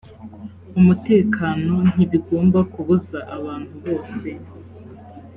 umutekano ntibigomba kubuza abantu bose